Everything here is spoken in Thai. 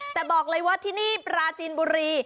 แต่บอกเลยว่าที่นี่ปราจีนบุรี